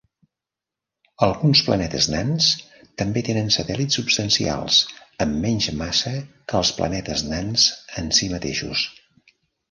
Alguns planetes nans també tenen satèl·lits substancials amb menys massa que els planetes nans en si mateixos.